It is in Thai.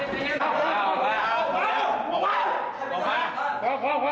ก้าวออกมา